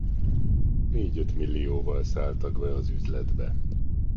Négy-öt millióval szálltak be az üzletbe.